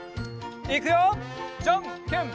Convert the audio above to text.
いくよじゃんけんぽん！